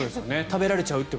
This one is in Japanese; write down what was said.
食べられちゃうから。